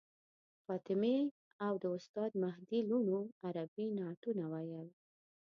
فاطمې او د استاد مهدي لوڼو عربي نعتونه ویل.